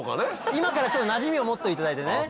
今からちょっとなじみを持っていただいてね。